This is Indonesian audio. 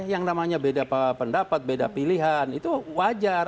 yang namanya beda pendapat beda pilihan itu wajar